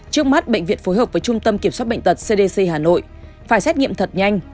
trước mắt bệnh viện phối hợp với trung tâm kiểm soát bệnh tật cdc hà nội phải xét nghiệm thật nhanh